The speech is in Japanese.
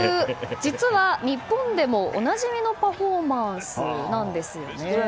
実は、日本でもおなじみのパフォーマンスなんですよね。